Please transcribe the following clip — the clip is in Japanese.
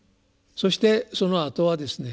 そしてそのあとはですね